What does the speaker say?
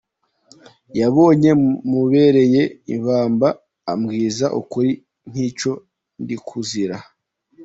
Yabonye mubereye ibamba ambwiza ukuri kw’icyo ndikuzira